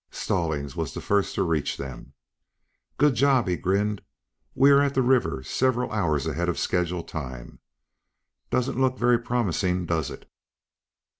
Stallings was the first to reach them. "Good job," he grinned. "We are at the river several hours ahead of schedule time. Doesn't look very promising, does it?"